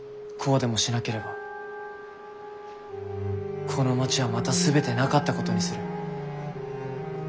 こうでもしなければこの町はまた全てなかったことにする。